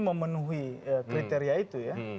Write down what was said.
memenuhi kriteria itu ya